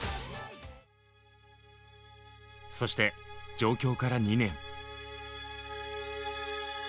そして上京から２年。